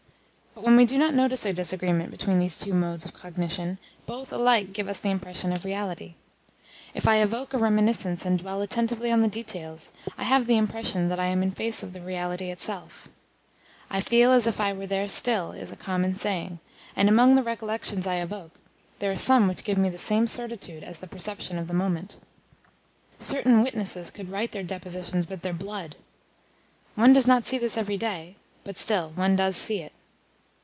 But, when we do not notice a disagreement between these two modes of cognition, both alike give us the impression of reality. If I evoke a reminiscence and dwell attentively on the details, I have the impression that I am in face of the reality itself. "I feel as if I were there still," is a common saying; and, among the recollections I evoke, there are some which give me the same certitude as the perception of the moment. Certain witnesses would write their depositions with their blood. One does not see this every day; but still one does see it.